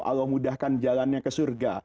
allah mudahkan jalannya ke surga